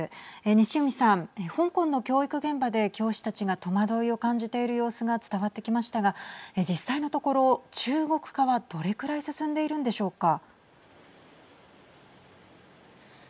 西海さん、香港の教育現場で教師たちが戸惑いを感じている様子が伝わってきましたが実際のところ中国化はどれくらい進んでいるんでしょうか。